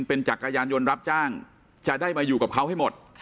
เป็นจักรยานยนต์รับจ้างจะได้มาอยู่กับเขาให้หมด